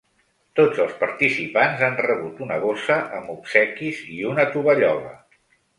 Tots els participants han rebut una bossa amb obsequis i una tovallola.